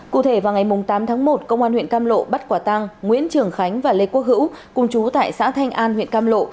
cụ thể vào ngày tám tháng một công an huyện cam lộ bắt quả tăng nguyễn trường khánh và lê quốc hữu cùng chú tại xã thanh an huyện cam lộ